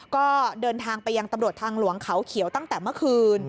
ก็เดินทางไปยังตำรวจทางหลวงเขาเขียวตั้งแต่เมื่อคืน